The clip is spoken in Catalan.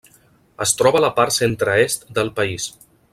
Es troba a la part centre-est del país.